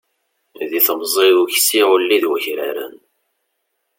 Deg temẓi-w ksiɣ ulli d wakraren